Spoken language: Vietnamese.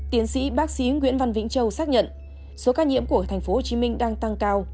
tiến sĩ bác sĩ nguyễn văn vĩnh châu xác nhận số ca nhiễm của tp hcm đang tăng cao